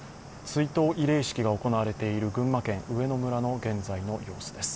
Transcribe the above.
追悼慰霊式が行われている群馬県上野村の現在の様子です。